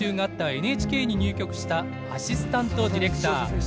ＮＨＫに入局したアシスタントディレクター。